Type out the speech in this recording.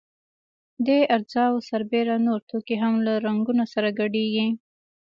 دې اجزاوو سربېره نور توکي هم له رنګونو سره ګډیږي.